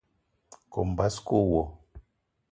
Kome basko wo.